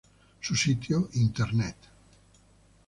Su sitio internet